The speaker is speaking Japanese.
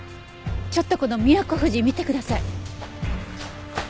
ちょっとこのミヤコフジ見てください。